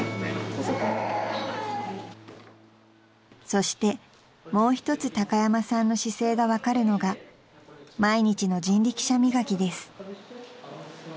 ［そしてもう一つ高山さんの姿勢が分かるのが毎日の人力車磨きです］